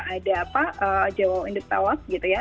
ada apa jowol induktawos gitu ya